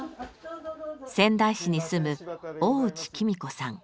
仙台市に住む大内喜美子さん。